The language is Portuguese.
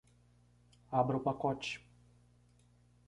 Abra o pacote